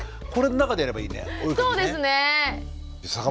これの中でやればいいね。